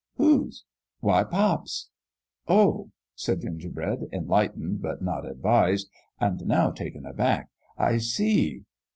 "Whose?" "Why, pop's!" "Oh!" said Gingerbread, enlightened but not advised, and now taken aback. " I see."